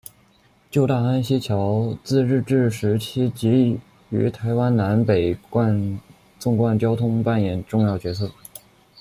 旧大安溪桥自日治时期即于台湾南北纵贯交通扮演重要角色。